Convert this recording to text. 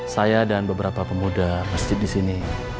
saya dan beberapa pemuda masjid disini